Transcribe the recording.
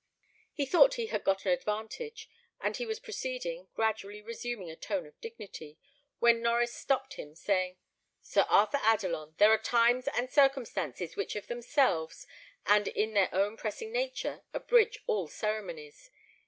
He thought he had got an advantage, and he was proceeding, gradually resuming a tone of dignity, when Norries stopped him, saying, "Sir Arthur Adelon, there are times and circumstances which of themselves, and in their own pressing nature, abridge all ceremonies.